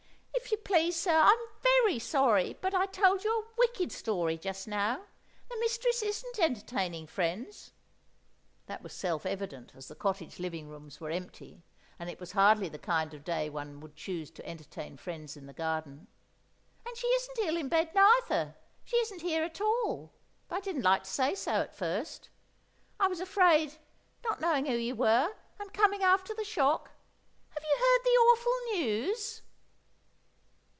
"If you please, sir, I'm very sorry, but I told you a wicked story just now. The mistress isn't entertaining friends"—that was self evident, as the cottage living rooms were empty, and it was hardly the kind of day one would choose to entertain friends in the garden—"and she isn't ill in bed neither. She isn't here at all. But I didn't like to say so at first. I was afraid, not knowing who you were, and coming after the shock. Have you heard the awful news?"